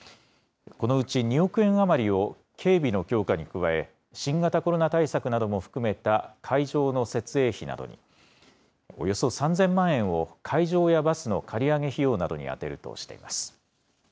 このうち２億円余りを警備の強化に加え、新型コロナ対策なども含めた会場の設営費などに、およそ３０００万円を会場やバスの借り上げ費用などに充てるとしています。